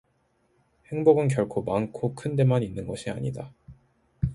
행복은 결코 많고 큰 데만 있는 것이 아니다.